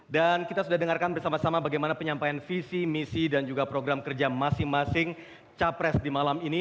dan kita sudah dengarkan bersama sama bagaimana penyampaian visi misi dan juga program kerja masing masing capres di malam ini